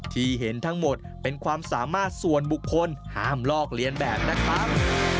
ที่เห็นทั้งหมดเป็นความสามารถส่วนบุคคลห้ามลอกเลียนแบบนะครับ